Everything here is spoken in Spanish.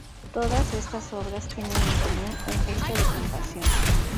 Todas estas obras tienen en común un gesto de compasión.